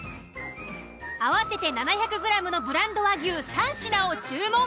合わせて７００ｇのブランド和牛３品を注文。